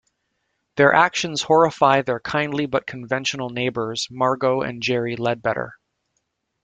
Their actions horrify their kindly but conventional neighbours, Margo and Jerry Leadbetter.